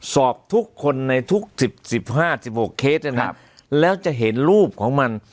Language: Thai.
สอบทุกคนในทุก๑๕๑๖เคสเนี่ยนะแล้วจะเห็นรูปของมัน